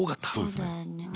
そうですね。